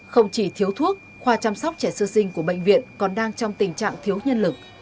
không chỉ thiếu thuốc khoa chăm sóc trẻ sơ sinh của bệnh viện còn đang trong tình trạng thiếu nhân lực